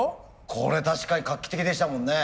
これ確かに画期的でしたもんね。